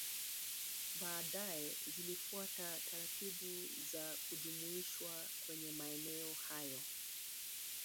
Baadae zilifuata taratibu za kujumuishwa kwenye maeneo hayo